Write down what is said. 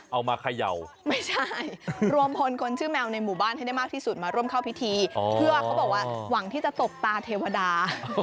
มาเขย่าไม่ใช่รวมพลคนชื่อแมวในหมู่บ้านให้ได้มากที่สุดมาร่วมเข้าพิธีเพื่อเขาบอกว่าหวังที่จะตบตาเทวดา